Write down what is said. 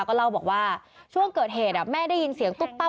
ก็เล่าบอกว่าช่วงเกิดเหตุแม่ได้ยินเสียงตุ๊บปั๊